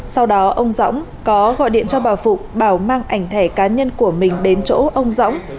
sau đó ông dõng có gọi điện cho bà phụ bảo mang ảnh thẻ cá nhân của mình đến chỗ ông dõng